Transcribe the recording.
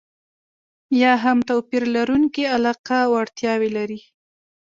یا هم توپير لرونکې علاقه او اړتياوې ولري.